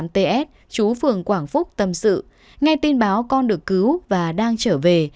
chín mươi tám nghìn bảy trăm sáu mươi tám ts chú phường quảng phúc tâm sự nghe tin báo con được cứu và đang trở về